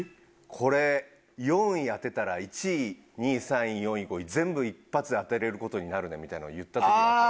これ４位当てたら１位２位３位４位５位全部一発で当てられる事になるねみたいなのを言った時があった。